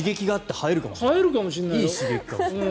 生えるかもしれないよ。